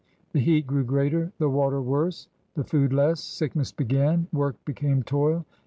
The heat grew greater, the water worse, the food less. Sickness b^an. Work became toil.